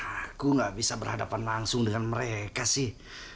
aku gak bisa berhadapan langsung dengan mereka sih